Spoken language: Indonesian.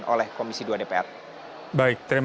apakah ketua kpu hashim ashari akan digantikan